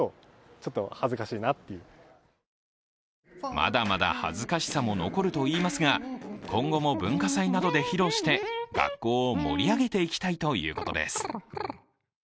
まだまだ恥ずかしさも残るといいますが、今後も文化祭などでも披露して、学校を盛り上げていきたいということです。